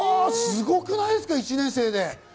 すごくないですか、１年生で。